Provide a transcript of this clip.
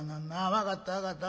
分かった分かった。